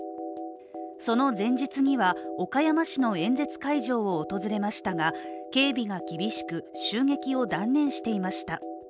その前日には、岡山市の演説会場を訪れましたが警備が厳しく、襲撃を断念していました。